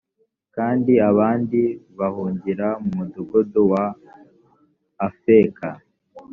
kandi abandi bahungira mu mudugudu wa afeka